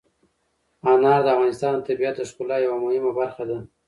انار د افغانستان د طبیعت د ښکلا یوه مهمه برخه ده.